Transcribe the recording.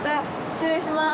失礼します。